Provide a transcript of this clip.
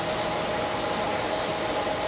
ต้องเติมเนี่ย